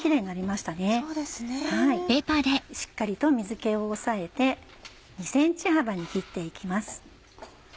しっかりと水気を押さえて２ｃｍ幅に切って行きます。